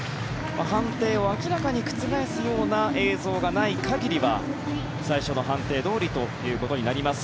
判定を明らかに覆すような映像がない限りは最初の判定どおりとなります。